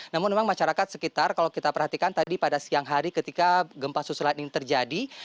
namun memang masyarakat sekitar kalau kita perhatikan tadi pada siang hari ketika gempa susulan ini terjadi